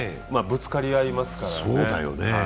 ぶつかり合いますからね。